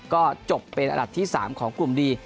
ก็จบเป็นอันดับที่๓ของกลุ่มดี